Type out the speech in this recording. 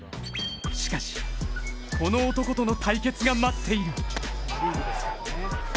しかし、この男との対決が待っている。